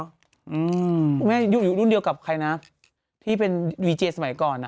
คุณแม่อยู่รุ่นเดียวกับใครนะที่เป็นวีเจสมัยก่อนอ่ะ